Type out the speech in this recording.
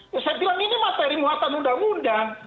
ya saya bilang ini materi muatan undang undang